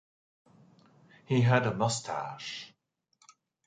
He had a mustache.